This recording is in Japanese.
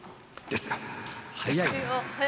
ですが。